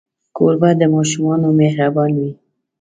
کوربه د ماشومانو مهربان وي.